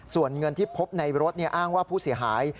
ส่วนเงินที่พบในรถอ้างว่าผู้เสียหาย